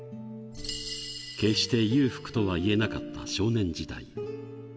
決して裕福とはいえなかった少年時代。